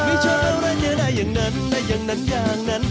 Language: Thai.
ไม่ใช่อะไรจะได้อย่างนั้นได้อย่างนั้นอย่างนั้น